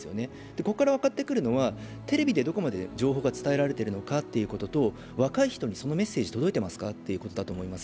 ここから分かってくるのは、テレビでどこまで情報が伝えられているのかというのと、若い人にそのメッセージが届いてますかということだと思います。